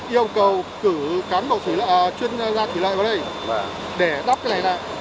để đắp này ra